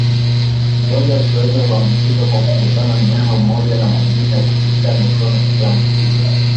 Ugonjwa wa kiwele huambukizwa kwa kugusana mnyama mmoja na mwingine kupitia mikono iliyoambukizwa